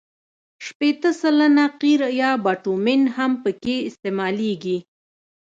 شپېته سلنه قیر یا بټومین هم پکې استعمالیږي